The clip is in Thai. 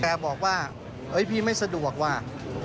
แกบอกว่าพี่ไม่สะดวกว่ะ